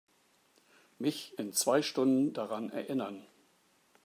Mich in zwei Stunden daran erinnern.